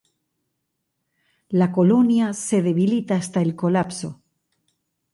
La colonia se debilita hasta el colapso.